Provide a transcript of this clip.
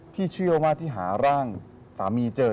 เชื่อว่าที่หาร่างสามีเจอ